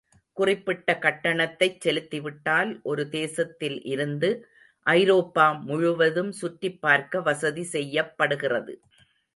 குறிப்பிட்ட கட்டணத்தைச் செலுத்திவிட்டால் ஒரு தேசத்தில் இருந்து ஐரோப்பா முழுவதும் சுற்றிப் பார்க்க வசதி செய்யப்படுகிறது.